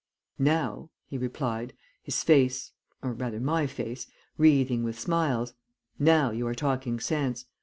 "'Now,' he replied, his face, or rather my face, wreathing with smiles, 'now you are talking sense.